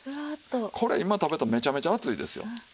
これ今食べたらめちゃめちゃ熱いですよ。